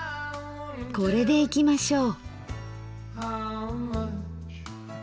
これでいきましょう。